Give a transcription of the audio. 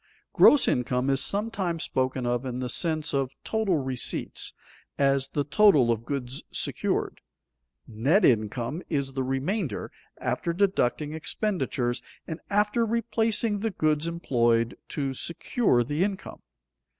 _ Gross income is sometimes spoken of in the sense of total receipts, as the total of goods secured; net income is the remainder after deducting expenditures and after replacing the goods employed to secure the income.